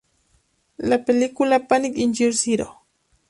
La película "Panic in Year Zero!